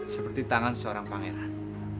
seperti tangan seorang pangeran